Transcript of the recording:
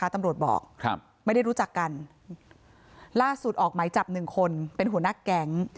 ตำรวจบอกไม่ได้รู้จักกันล่าสุดออกไหมจับหนึ่งคนเป็นหัวหน้าแก๊ง